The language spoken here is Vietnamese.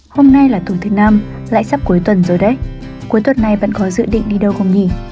hôm nay là tuần thứ năm lại sắp cuối tuần rồi đấy cuối tuần này vẫn có dự định đi đâu không nghỉ